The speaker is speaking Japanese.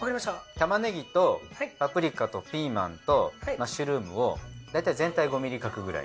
玉ねぎとパプリカとピーマンとマッシュルームをだいたい全体５ミリ角くらい。